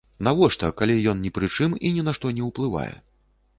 Навошта, калі ён ні пры чым і ні на што не ўплывае?